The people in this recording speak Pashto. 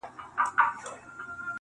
o زما غزل تې ستا له حُسنه اِلهام راوړ,